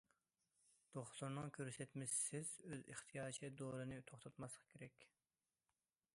دوختۇرنىڭ كۆرسەتمىسىسىز ئۆز ئىختىيارىچە دورىنى توختاتماسلىق كېرەك.